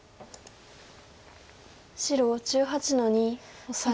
白１８の二オサエ。